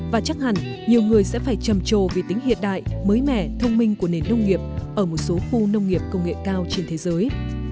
và chắc hẳn nhiều người sẽ phải trầm trồ vì tính hiện đại mới mẻ thông minh của nền nông nghiệp ở một số khu nông nghiệp công nghệ cao trên thế giới